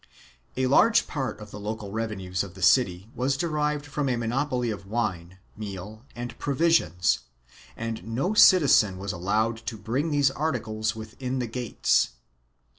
A large part of the local revenues of the city was derived from a monopoly of wine, meal and provisions and no citizen was allowed to bring these articles within the gates.